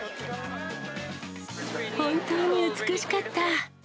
本当に美しかった。